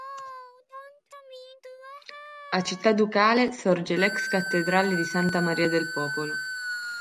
A Cittaducale sorge l'ex cattedrale di Santa Maria del Popolo.